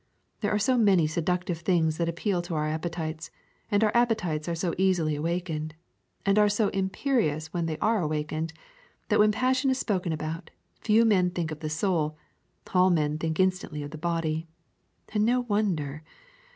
There are so many seductive things that appeal to our appetites, and our appetites are so easily awakened, and are so imperious when they are awakened, that when passion is spoken about, few men think of the soul, all men think instantly of the body. And no wonder.